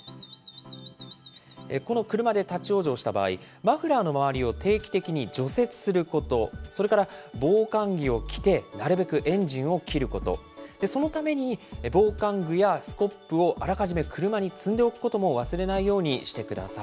この車で立往生した場合、マフラーの周りを定期的に除雪すること、それから防寒着を着て、なるべくエンジンを切ること、そのために防寒具やスコップを、あらかじめ車に積んでおくことも忘れないようにしてください。